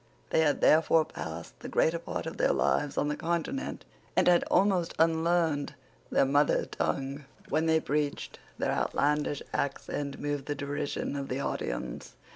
They had therefore passed the greater part of their lives on the Continent, and had almost unlearned their mother tongue. When they preached, their outlandish accent moved the derision of the audience.